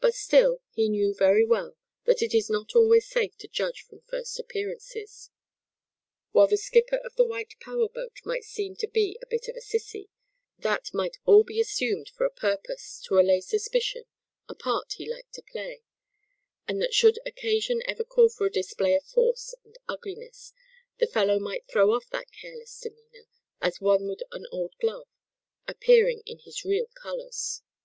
But still, he knew very well that it is not always safe to judge from first appearances. While the skipper of the white power boat might seem to be a bit of a "sissy," that might all be assumed for a purpose, to allay suspicion, a part he liked to play; and that should occasion ever call for a display of force and ugliness, the fellow might throw off that careless demeanor as one would an old glove, appearing in his real colors.